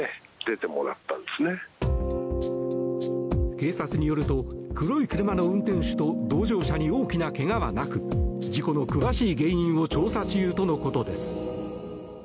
警察によると黒い車の運転手と同乗者に大きなけがはなく事故の詳しい原因を調査中とのことです。